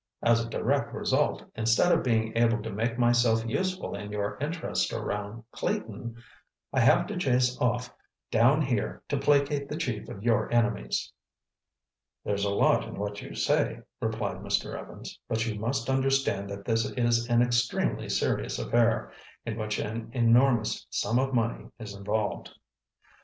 As a direct result, instead of being able to make myself useful in your interests around Clayton, I have to chase off down here to placate the chief of your enemies." "There's a lot in what you say," replied Mr. Evans. "But you must understand that this is an extremely serious affair—in which an enormous sum of money is involved."